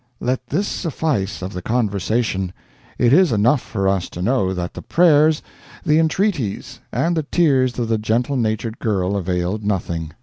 Let this suffice, of the conversation. It is enough for us to know that the prayers, the entreaties and the tears of the gentle natured girl availed nothing.